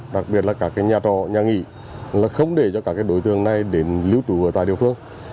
đặc biệt là các nhà trọ nhà nghỉ là không để cho các đối tượng này đến lưu trú ở tại địa phương